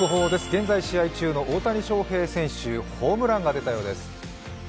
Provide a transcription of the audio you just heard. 現在試合中の大谷翔平選手ホームランが出たようです。